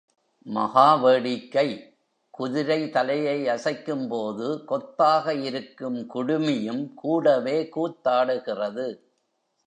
மகா வேடிக்கை. குதிரை தலையை அசைக்கும்போது கொத்தாக, இருக்கும் குடுமியும் கூடவே கூத்தாடுகிறது.